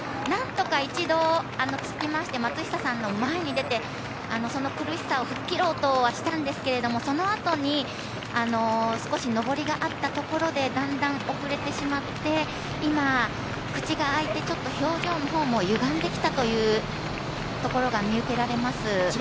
何とか一度、つきまして松下さんの前に出てその苦しさを吹っ切ろうとしたんですけどもそのあとに少し上りがあったところでだんだん遅れてしまって今、口があいてちょっと表情のほうもゆがんできたというところが見受けられますね。